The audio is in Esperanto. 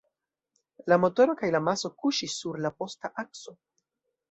La motoro kaj la maso kuŝis sur la posta akso.